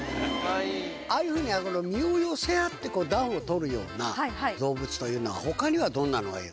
ああいうふうに身を寄せ合って暖を取るような動物というのは他にはどんなのがいる？